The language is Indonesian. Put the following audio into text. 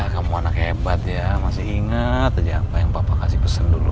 kamu anaknya hebat ya masih inget aja apa yang papa kasih pesen dulu